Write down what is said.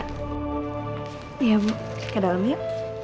ibu mau bicara sama kohor dan aida